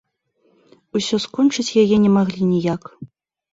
Усё скончыць яе не маглі ніяк.